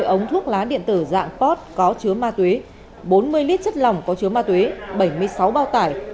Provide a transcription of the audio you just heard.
hai trăm năm mươi ống thuốc lá điện tử dạng pot có chứa ma túy bốn mươi l chất lỏng có chứa ma túy bảy mươi sáu bao tải